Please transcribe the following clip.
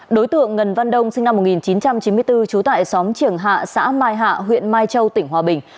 đối tượng ngân văn đông sinh năm một nghìn chín trăm chín mươi bốn trú tại xóm triềng hạ xã mai hạ huyện mai châu tỉnh hòa bình